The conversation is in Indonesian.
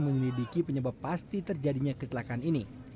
menyelidiki penyebab pasti terjadinya kecelakaan ini